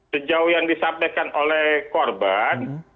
sejauh yang disampaikan oleh korban